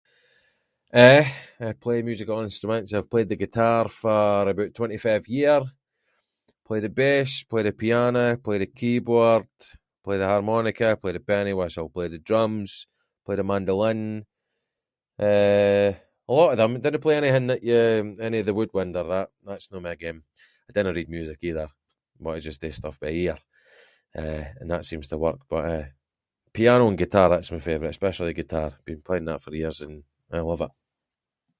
Eh, I play musical instruments, I’ve played the guitar for about twenty-five year, play the bass, play the piano, play the keyboard, play the harmonica, play the pennywhistle, play the drums, play the mandolin, eh a lot of them, I dinna play any that you- any of the woodwind or that, that’s no my game, I dinna read music either, what I just do stuff by ear, eh and that seems to work, but eh piano and guitar that’s my favourite, especially guitar, been playing that for years and I love it.